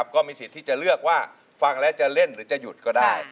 ก็มีสิทธิ์ที่จะเลือกว่าฟังแล้วจะเล่นหรือจะหยุดก็ได้